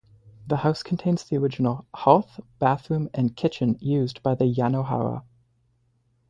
The house contains the original hearth, bathroom and kitchen used by the Yanohara.